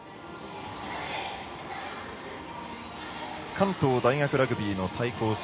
関東大学ラグビーの対抗戦。